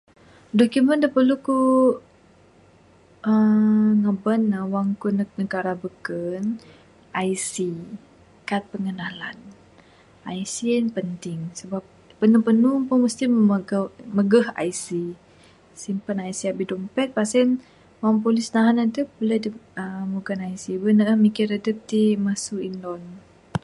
Document da perlu ku aaa ngaban ne neg negara beken IC, kad pengenalan, IC en penting, kan panu panu pun mesti mu magau mageh IC. Simpan IC abih dompet pas en, wang polis nahan adep buleh dep aaa mugon IC bin ne mikir adep ti masu indon.